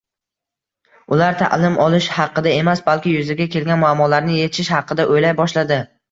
Ular taʼlim olish haqida emas, balki yuzaga kelgan muammolarni yechish haqida oʻylay boshladi.